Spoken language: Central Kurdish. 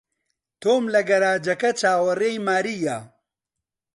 تۆم لە گەراجەکە چاوەڕێی مارییە.